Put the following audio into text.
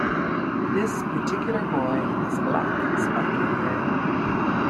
This particular boy has black spiky hair.